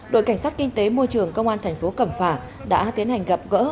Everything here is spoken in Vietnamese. đội cảnh sát kinh tế môi trường công an tp cầm phả đã tiến hành gặp gỡ